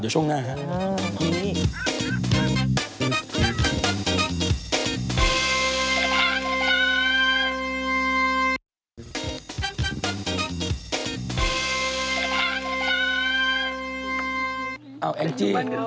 เดี๋ยวช่วงหน้าครับ